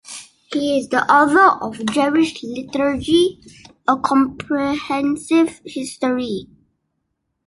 He is the author of "Jewish Liturgy: A Comprehensive History".